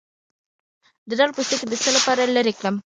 د دال پوستکی د څه لپاره لرې کړم؟